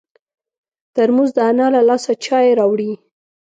ترموز د انا له لاسه چای راوړي.